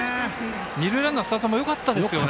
二塁ランナー、スタートもよかったですね。